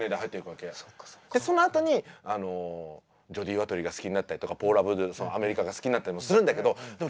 そのあとにジョディ・ワトリーが好きになったりとかポーラ・アブドゥルアメリカが好きになったりもするんだけどでも